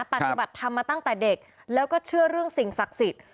ปฏิบัติธรรมมาตั้งแต่เด็กแล้วก็เชื่อเรื่องสิ่งศักดิ์สิทธิ์